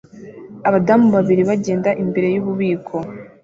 Abadamu babiri bagenda imbere yububiko